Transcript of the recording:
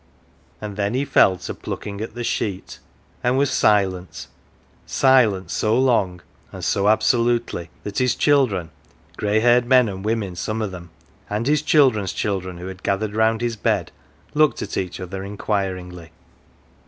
And then he fell to plucking at the sheet, and was silent silent so long and so absolutely that his children, grey haired men and women some of them, and his children's children, who had gathered round his bed, looked at each other inquiringly.